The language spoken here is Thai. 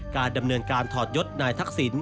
การดำเนินการถอดยศนายทักษิณ